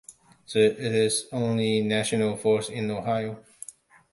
It is the only national forest in Ohio.